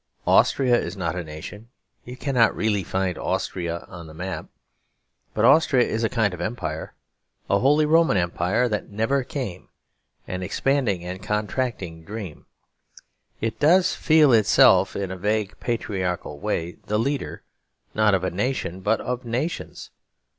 Austria is not a nation; you cannot really find Austria on the map. But Austria is a kind of Empire; a Holy Roman Empire that never came, an expanding and contracting dream. It does feel itself, in a vague patriarchal way, the leader, not of a nation, but of nations.